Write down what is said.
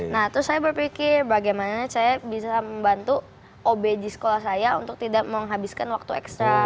nah terus saya berpikir bagaimana saya bisa membantu obg sekolah saya untuk tidak menghabiskan waktu ekstra